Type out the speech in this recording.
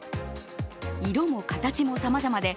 色も形もさまざまで、